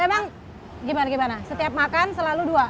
emang gimana gimana setiap makan selalu dua